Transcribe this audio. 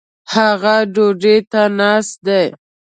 هغه ډوډي ته ناست دي